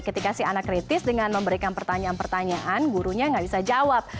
ketika si anak kritis dengan memberikan pertanyaan pertanyaan gurunya nggak bisa jawab